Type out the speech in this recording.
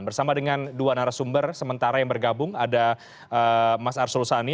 bersama dengan dua narasumber sementara yang bergabung ada mas arsul sani